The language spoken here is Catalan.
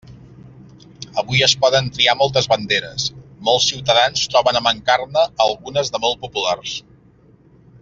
Avui es poden triar moltes banderes, molts ciutadans troben a mancar-ne algunes de molt populars.